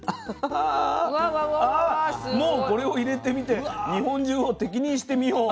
あもうこれを入れてみて日本中を敵にしてみよう。